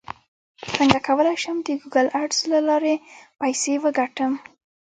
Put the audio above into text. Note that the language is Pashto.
څنګه کولی شم د ګوګل اډز له لارې پیسې وګټم